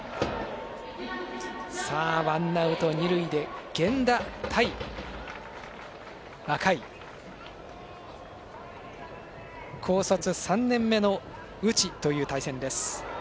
ワンアウト、二塁で、源田対若い高卒３年目の内という対戦。